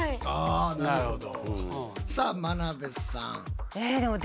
あなるほど。